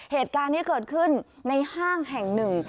เหตุการณ์นี้เกิดขึ้นในห้างแห่งหนึ่ง